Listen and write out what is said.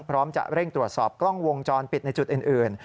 พร้อมจะเร่งตรวจสอบกล้องวงจรปิดในจุดอื่น